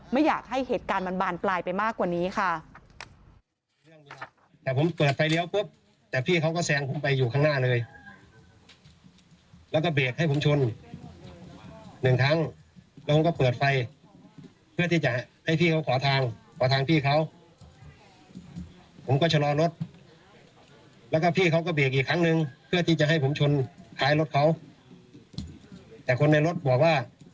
ไม่อยากให้เหตุการณ์มันบานปลายไปมากกว่านี้ค่ะ